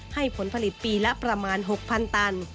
ผลผลิตปีละประมาณ๖๐๐๐ตัน